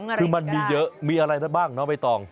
คือมันมีเยอะมีอะไรได้บ้างน้องใบตอง